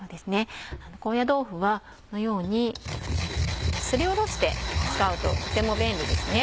高野豆腐はこのようにすりおろして使うととても便利ですね。